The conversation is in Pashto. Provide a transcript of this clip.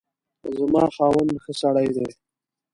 زما خاوند ښه سړی دی